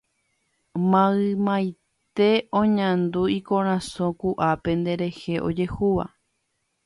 Maymaite oñandu ikorasõ kuápe nderehe ojehúva.